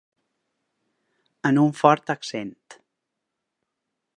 Amb un fort accent.